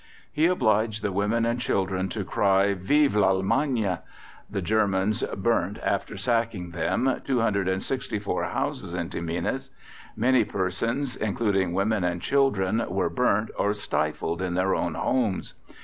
He obliged the women and children to cry: "Vive l'Allemagne." The Germans burnt, after sacking them, 264 houses in Tamines. Many persons, including women and children, were burnt or stifled in their own homes.